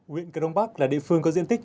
huyện cờ đông bắc là địa phương có diện tích